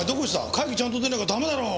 会議ちゃんと出なきゃ駄目だろう。